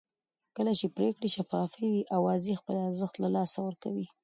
کله چې پرېکړې شفافې وي اوازې خپل ارزښت له لاسه ورکوي